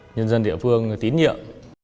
nhân dân địa phương tín nhiệm